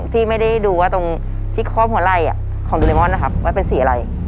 ที่ไม่ได้ดูไว้ตรงที่คลอมหัวไหล่ภาโกรกิจต้องเป็นสีอะไร